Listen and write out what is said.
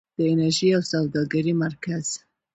د انرژۍ او سوداګرۍ مرکز.